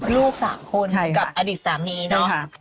ลูก๓คนกับอดีตสามีเนอะใช่ค่ะ